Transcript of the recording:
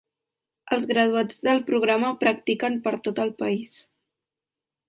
Els graduats del programa practiquen per tot el país.